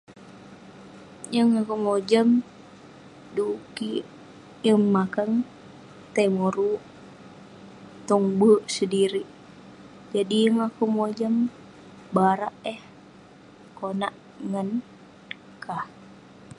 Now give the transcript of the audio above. Yeng akouk mojam dekuk kik yeng makang tai moruk tong be'ek sedirik. Jadi yeng akouk mojam barak eh konak ngan kah.